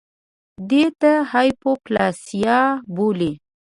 دې ته هایپوپلاسیا بولي